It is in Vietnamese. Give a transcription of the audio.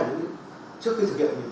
trước khi thực hiện